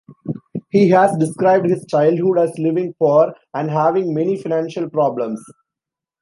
He has described his childhood as living poor and having many financial problems.